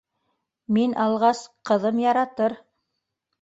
— Мин алғас, ҡыҙым яратыр.